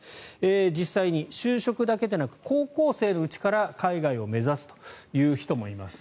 実際に就職だけでなく高校生のうちから海外を目指すという人もいます。